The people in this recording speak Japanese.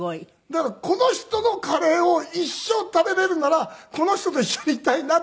だからこの人のカレーを一生食べれるならこの人と一緒にいたいな。